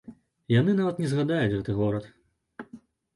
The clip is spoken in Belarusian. Яны нават не згадаюць гэты горад.